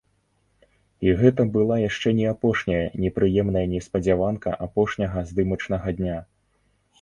І гэта была яшчэ не апошняя непрыемная неспадзяванка апошняга здымачнага дня.